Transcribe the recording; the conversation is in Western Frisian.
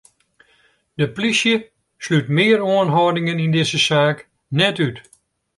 De polysje slút mear oanhâldingen yn dizze saak net út.